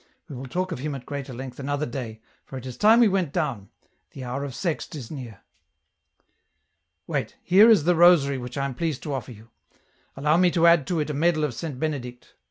We will talk of him at greater length another day, for it is time we went down ; the hour of Sext is near. " Wait, here is the rosary which I am pleased to offer you. Allow me to add to it a medal of Saint Benedict."